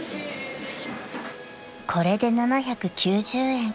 ［これで７９０円］